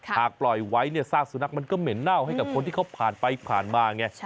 ปล่อยไว้เนี่ยซากสุนัขมันก็เหม็นเน่าให้กับคนที่เขาผ่านไปผ่านมาไง